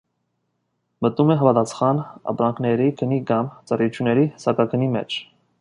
Մտնում է համապատասխան ապրանքների գնի կամ ծառայությունների սակագնի մեջ։